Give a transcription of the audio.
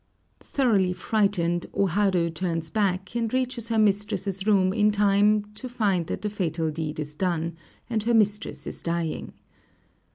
Thoroughly frightened, O Haru turns back, and reaches her mistress' room in time to find that the fatal deed is done, and her mistress is dying.